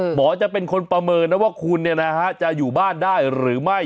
หมอจะเป็นคนประเมินนะว่าคุณจะอยู่บ้านได้หรือไม่